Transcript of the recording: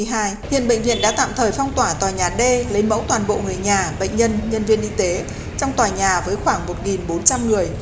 hiện bệnh viện đã tạm thời phong tỏa tòa nhà d lấy mẫu toàn bộ người nhà bệnh nhân nhân viên y tế trong tòa nhà với khoảng một bốn trăm linh người